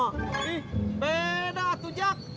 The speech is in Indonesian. ih beda tuh jack